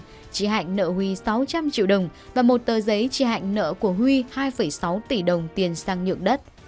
chị hạnh nợ huy sáu trăm linh triệu đồng và một tờ giấy chị hạnh nợ của huy hai sáu tỷ đồng tiền sang nhượng đất